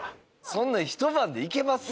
そんなんひと晩でいけます？